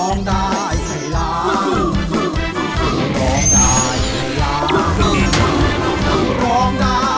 ร้องได้ให้ล้าน